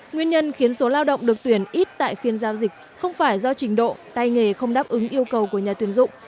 nguyên nhân khiến số lao động được tuyển ít tại phiên giao dịch không phải do trình độ tay nghề không đáp ứng yêu cầu của nhà tuyển dụng